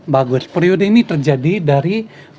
bagus periode ini terjadi dari